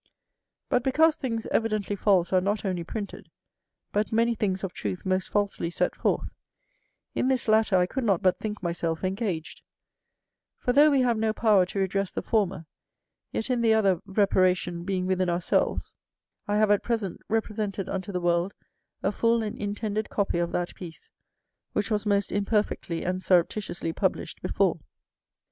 But because things evidently false are not only printed, but many things of truth most falsely set forth; in this latter I could not but think myself engaged: for, though we have no power to redress the former, yet in the other reparation being within ourselves, I have at present represented unto the world a full and intended copy of that piece, which was most imperfectly and surreptitiously published before.